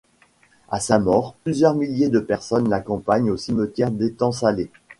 À sa mort, plusieurs milliers de personnes l'accompagnent au cimetière d'Etang-Salé.